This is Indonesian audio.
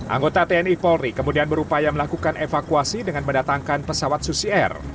anggota tni polri kemudian berupaya melakukan evakuasi dengan mendatangkan pesawat susi air